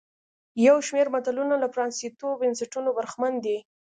یو شمېر ملتونه له پرانیستو بنسټونو برخمن دي.